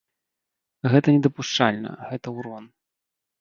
Гэта недапушчальна, гэта ўрон.